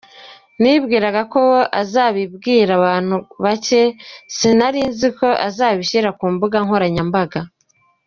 Nibwiraga ko azabibwira abantu bake si narinziko azabishyira ku mbuga nkoranya mbaga.